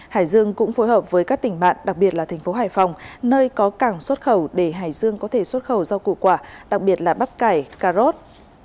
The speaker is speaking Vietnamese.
hải dương cũng phối hợp với các tỉnh bạn đặc biệt là thành phố hải phòng nơi có cảng xuất khẩu để hải dương có thể xuất khẩu rau củ quả đặc biệt là bắp cải cà rốt